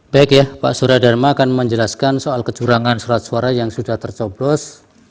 baik ya pak suradharma akan menjelaskan soal kecurangan surat suara yang sudah tercoblos